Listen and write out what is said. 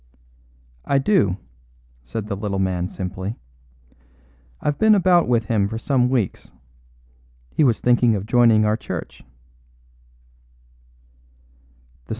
"I do," said the little man simply. "I've been about with him for some weeks. He was thinking of joining our church."